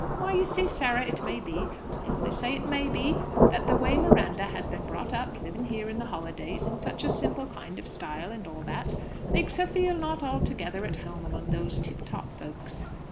"Why, you see, Sarah, it may be I only say it may be that the way Miranda has been brought up, living here in the holidays in such a simple kind of style, and all that, makes her feel not altogether at home among these tip top folks."